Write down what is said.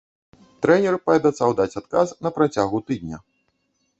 Трэнер паабяцаў даць адказ на працягу тыдня.